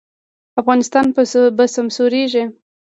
افغانستان به سمسوریږي